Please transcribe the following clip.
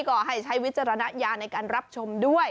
ก็ให้ใช้วิจารณญาณในการรับชมด้วย